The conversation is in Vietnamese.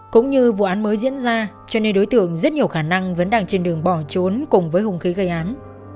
cũng như vụ án mới diễn ra cho nên đối tượng rất nhiều khả năng vẫn đang trên đường bỏ trốn cùng với hùng khí gây án